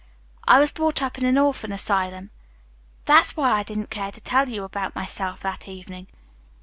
I was brought up in an orphan asylum. That's why I didn't care to tell you about myself that evening."